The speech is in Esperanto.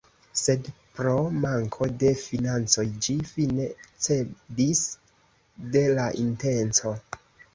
Sed pro manko de financoj ĝi fine cedis de la intenco.